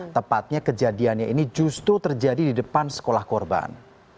tepatnya kejadiannya ini justru terjadi di depan sekolah korban